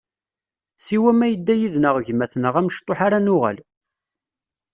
Siwa ma yedda yid-nneɣ gma-tneɣ amecṭuḥ ara nuɣal.